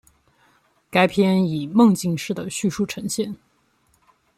该片以梦境式的叙述呈现。